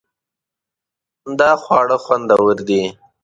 دا خواړه خوندور دي